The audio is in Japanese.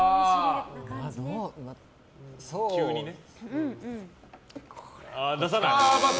急にね。×！